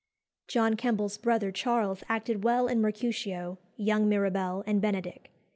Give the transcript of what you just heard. John Kemble's brother Charles acted well in Mercutio, Young Mirabel, and Benedick.